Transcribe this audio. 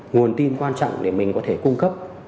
nguồn tin quan trọng để mình có thể cung cấp